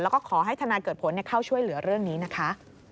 แล้วก็ขอให้ทนายเกิดผลเข้าช่วยเหลือเรื่องนี้นะคะ